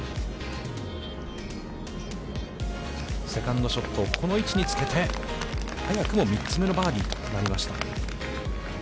セカンドショットをこの位置につけて、早くも３つ目のバーディーとなりました。